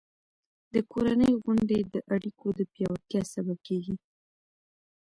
د کورنۍ غونډې د اړیکو د پیاوړتیا سبب کېږي.